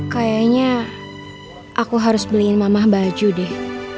kayaknya aku harus beliin mamah baju deh